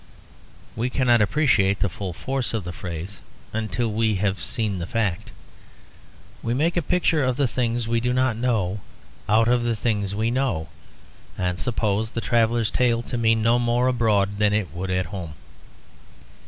We cannot appreciate the full force of the phrase until we have seen the fact. We make a picture of the things we do not know out of the things we know; and suppose the traveller's tale to mean no more abroad than it would at home.